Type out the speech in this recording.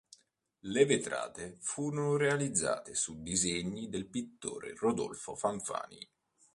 Le vetrate furono realizzate su disegni del pittore Rodolfo Fanfani.